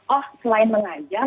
oh selain mengajar